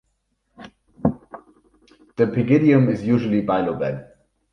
The pygidium is usually bilobed.